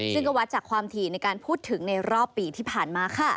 ซึ่งก็วัดจากความถี่ในการพูดถึงในรอบปีที่ผ่านมาค่ะ